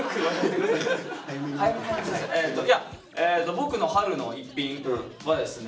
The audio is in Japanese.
僕の春の逸品はですね。